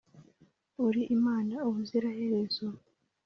Uri Imana ubuziraherezo!